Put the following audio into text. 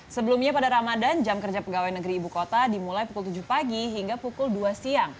sebelumnya pada ramadan jam kerja pegawai negeri ibu kota dimulai pukul tujuh pagi hingga pukul dua siang